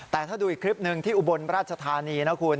แต่ถ้าดูอีกคลิปหนึ่งที่อุบลราชธานีนะคุณ